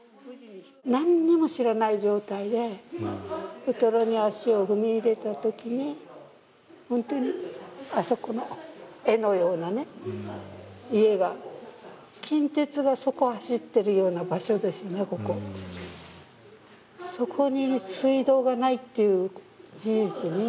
何も知らない状態でウトロに足を踏み入れたときに本当に、あそこの絵のようなね家が近鉄がそこを走ってるような場所ですね、ここ。